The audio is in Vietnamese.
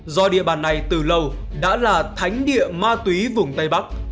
do địa bàn này từ lâu đã là thánh địa ma túy vùng tây bắc